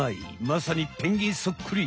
まさにペンギンそっくり。